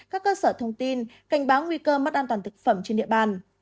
các cơ sở thông tin cảnh báo nguy cơ mất an toàn thực phẩm trên địa bàn